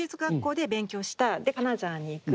で金沢に行く。